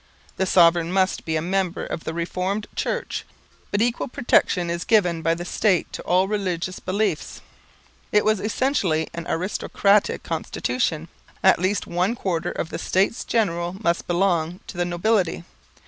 The Sovereign must be a member of the Reformed Church, but equal protection is given by the State to all religious beliefs. It was essentially an aristocratic constitution. At least one quarter of the States General must belong to the nobility.